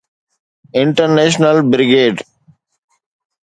International brigade.